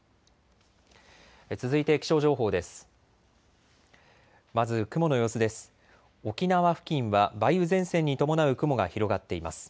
続いて気象情報です。